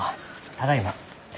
ただいま。